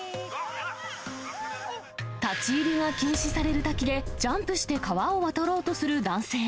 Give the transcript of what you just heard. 立ち入りが禁止される滝で、ジャンプして川を渡ろうとする男性。